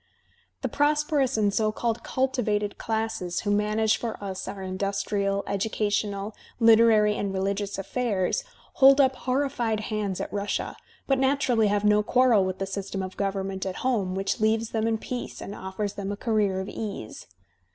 The prosperous and so called cultivated classes who manage for us our industrial, educational, liter ary and religious affairs, hold up horrified hands at Russia, but naturally have no quarrel with the system of government at home which leaves them in peace and offers them a career of ease.